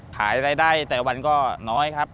ขายรายได้แต่วันก็น้อยครับ